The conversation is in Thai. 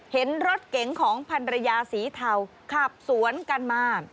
เห็นรถเก๋งของพันรยาสีเทาขับสวนกันมา